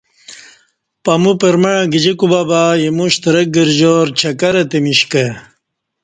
پمو پرمع گجی کوبہ بہ ایمو شترک گرجار چکر اتمیش کہ